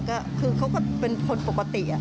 ก็คือเขาก็เป็นคนปกติ